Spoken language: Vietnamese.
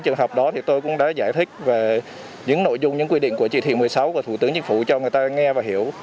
trường hợp đó thì tôi cũng đã giải thích về những nội dung những quy định của chỉ thị một mươi sáu của thủ tướng chính phủ cho người ta nghe và hiểu